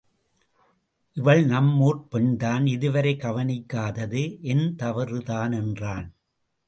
இவள் நம் ஊர்ப் பெண்தான் இதுவரை கவனிக்காதது என் தவறு தான் என்றான்.